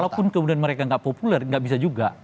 kalaupun kemudian mereka gak populer gak bisa juga